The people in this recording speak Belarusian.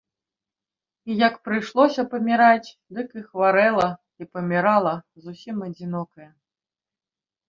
І як прыйшлося паміраць, дык і хварэла і памірала зусім адзінокая.